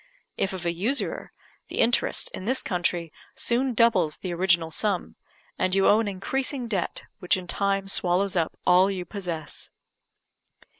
If of a usurer, the interest, in this country, soon doubles the original sum, and you owe an increasing debt, which in time swallows up all you possess.